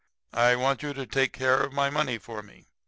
I want you to take care of my money for me.